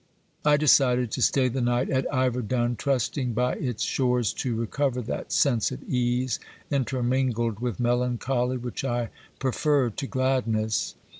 I de cided to stay the night at Iverdun, trusting by its shores to recover that sense of ease, intermingled with melancholy, which I prefer to gladness.